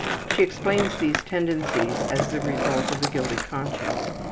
She explains these tendencies as the result of a guilty conscience.